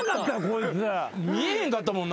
見えへんかったもんなもう。